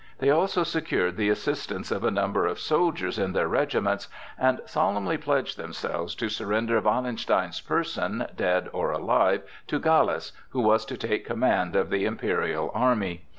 They also secured the assistance of a number of soldiers in their regiments, and solemnly pledged themselves to surrender Wallenstein's person, dead or alive, to Gallas, who was to take command of the imperial army.